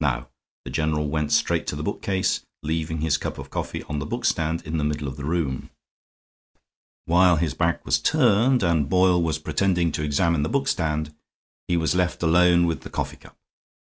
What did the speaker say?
Now, the General went straight to the bookcase, leaving his cup of coffee on the bookstand in the middle of the room. While his back was turned, and Boyle was pretending to examine the bookstand, he was left alone with the coffee cup.